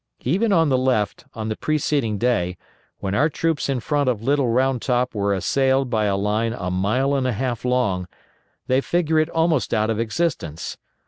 Even on the left, on the preceding day, when our troops in front of Little Round Top were assailed by a line a mile and a half long, they figure it almost out of existence.